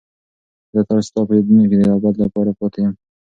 زه تل ستا په یادونو کې د ابد لپاره پاتې یم.